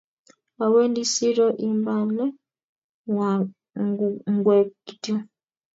awendi siro ibaale ngwek kityo